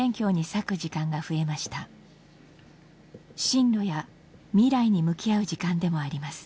進路や未来に向き合う時間でもあります。